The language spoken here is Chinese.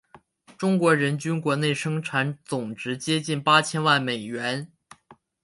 中国人均国内生产总值接近八千万美元。